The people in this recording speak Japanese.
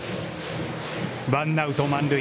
ワンアウト、満塁。